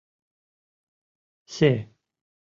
Се...